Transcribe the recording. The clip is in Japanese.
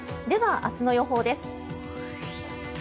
では、明日の予報です。